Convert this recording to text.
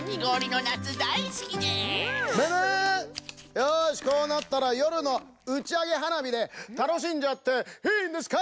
よしこうなったらよるのうちあげはなびでたのしんじゃっていいんですか！